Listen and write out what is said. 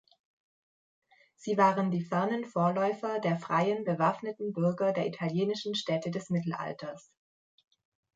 Sie waren die fernen Vorläufer der freien bewaffneten Bürger der italienischen Städte des Mittelalters.